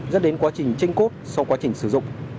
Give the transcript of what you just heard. dẫn đến quá trình tranh cốt sau quá trình sử dụng